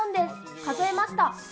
数えました。